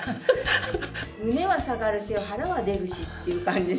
胸は下がるし腹は出るしっていう感じで。